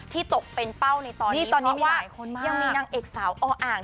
ตกเป็นเป้าในตอนนี้ตอนนี้ว่ายังมีนางเอกสาวออ่าง